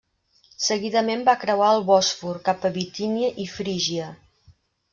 Seguidament va creuar el Bòsfor, cap a Bitínia i Frígia.